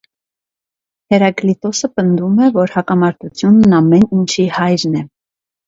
Հերակլիտոսը պնդում է, որ «հակամարտությունն ամեն ինչի հայրն է»։